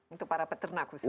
untuk para peternak khusus ya